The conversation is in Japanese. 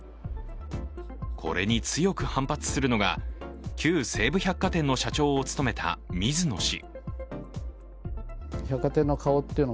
これに強く反発するのが旧西武百貨店の社長を務めた水野氏。